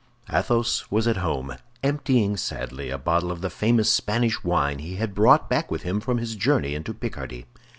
Athos was at home, emptying sadly a bottle of the famous Spanish wine he had brought back with him from his journey into Picardy.